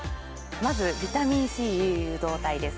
まずビタミンＣ誘導体です